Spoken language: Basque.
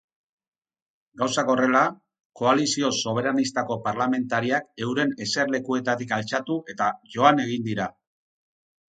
Gauzak horrela, koalizio soberanistako parlamentariak euren eserlekuetatik altxatu eta joan egin dira.